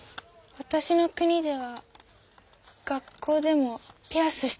わたしの国では学校でもピアスしてます。